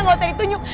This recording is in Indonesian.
gak usah ditunjuk